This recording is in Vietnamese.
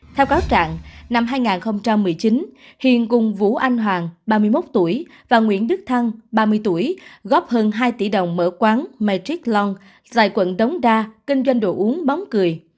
theo cáo trạng năm hai nghìn một mươi chín hiền cùng vũ anh hoàng ba mươi một tuổi và nguyễn đức thăng ba mươi tuổi góp hơn hai tỷ đồng mở quán martick len tại quận đống đa kinh doanh đồ uống bóng cười